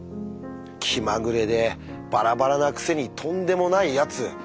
気まぐれでバラバラなくせにとんでもないやつ。